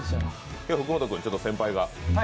今日、福本君、先輩が。